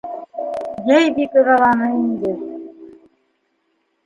Йәй бик ыҙаланы инде...